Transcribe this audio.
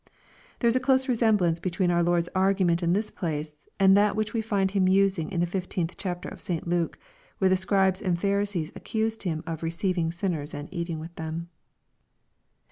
There is a close resemblance between our Lord's argument in this place, and that which we find Him using in the 15th chap, of St. Luke, where the Scribes and Pharisees accused Him of " receiving sinners, and eating with them."